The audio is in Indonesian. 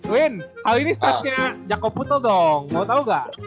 winn kali ini stats nya jakob putel dong mau tau gak